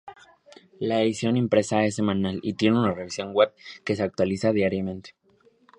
La edición impresa es semanal y tiene una versión web que se actualiza diariamente.